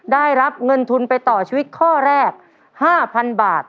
ได้รับเงินทุนไปต่อชีวิตข้อแรก๕๐๐๐บาท